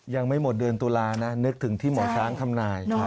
ยังไม่หมดเดือนตุลานะนึกถึงที่หมอช้างทำนาย